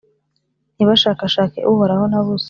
ntibashakashake Uhoraho na busa